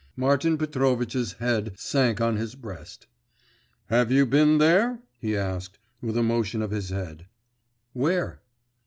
Martin Petrovitch's head sank on his breast. 'Have you been there?' he asked, with a motion of his head. 'Where?